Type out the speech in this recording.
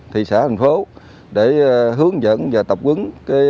thị xã thành phố để hướng dẫn và tập quấn